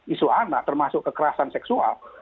isu anak termasuk kekerasan seksual